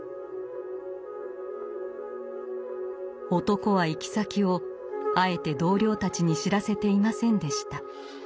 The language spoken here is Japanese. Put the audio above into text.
男は行き先をあえて同僚たちに知らせていませんでした。